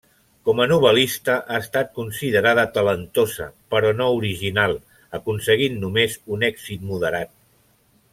Com a novel·lista ha estat considerada talentosa però no original, aconseguint només un èxit moderat.